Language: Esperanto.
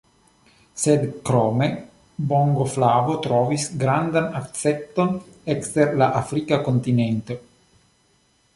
Sed krome bongoflavo trovis grandan akcepton ekster la afrika kontinento.